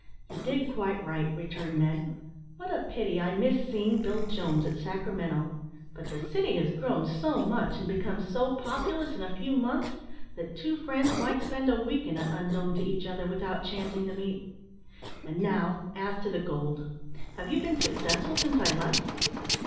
"You did quite right," returned Ned. "What a pity I missed seeing Bill Jones at Sacramento; but the city has grown so much, and become so populous, in a few months, that two friends might spend a week in it, unknown to each other, without chancing to meet. And now as to the gold. Have you been successful since I left?"